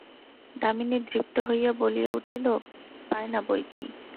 দামিনী দৃপ্ত হইয়া বলিয়া উঠিল, পায় না বৈকি!